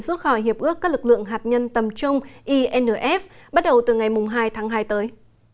rút khỏi hiệp ước các lực lượng hạt nhân tầm trung inf bắt đầu từ ngày hai tháng hai tới